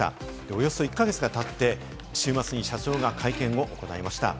およそ１か月が経って、週末に社長が会見を行いました。